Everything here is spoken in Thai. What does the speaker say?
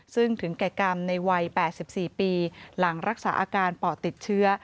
ซึ่งถึงแก่กรรมในวัย๘๔ปีหลังรักษาอาการปอดติดเชื้อ